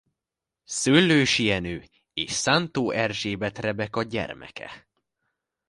Szöllősi Jenő és Szántó Erzsébet Rebeka gyermeke.